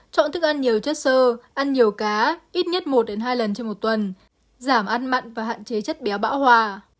chọn thức ăn nhiều chất sơ ăn nhiều cá ít nhất một hai lần trên một tuần giảm ăn mặn và hạn chế chất béo bão hòa